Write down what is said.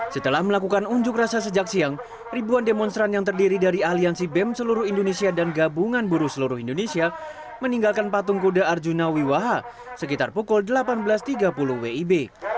setelah melakukan unjuk rasa sejak siang ribuan demonstran yang terdiri dari aliansi bem seluruh indonesia dan gabungan buruh seluruh indonesia meninggalkan patung kuda arjuna wiwaha sekitar pukul delapan belas tiga puluh wib